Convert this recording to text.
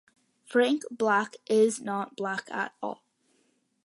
Frank Black is not black at all.